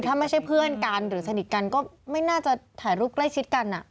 ถ้าไม่ใช่เพื่อนกันหรือสนิทกันก็ไม่น่าจะถ่ายรูปใกล้ชิดกัน